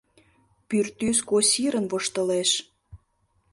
Пӱртӱс косирын воштылеш!